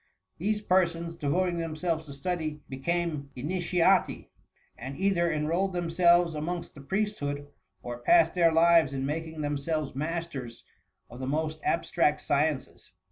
These persons, devoting themselves to study, became initiati ; and either enrolled themselves amongst the priest hood, or passed their lives in making them selves masters of the most abstract sciences.